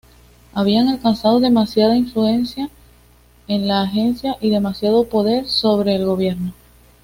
Habían alcanzado demasiada influencia en la Agencia y demasiado poder sobre el Gobierno.